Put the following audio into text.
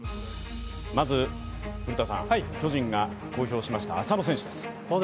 まず古田さん、巨人が公表しました浅野選手です。